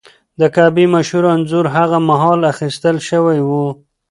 د کعبې مشهور انځور هغه مهال اخیستل شوی و.